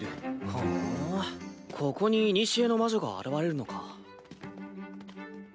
ふんここに古の魔女が現れるのか。